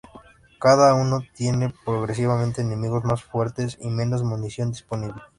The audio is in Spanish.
Cada uno tiene progresivamente enemigos más fuertes y menos munición disponible.